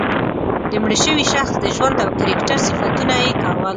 د مړه شوي شخص د ژوند او کرکټر صفتونه یې کول.